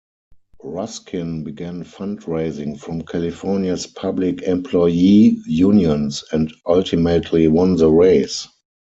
Ruskin began fundraising from California's public employee unions and ultimately won the race.